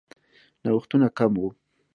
نوښتونه کم وو.